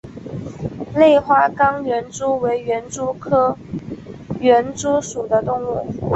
类花岗园蛛为园蛛科园蛛属的动物。